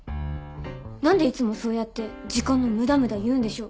なんでいつもそうやって「時間の無駄無駄」言うんでしょう？